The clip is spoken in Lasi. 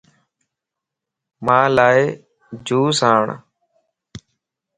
مان لا جوس آڻ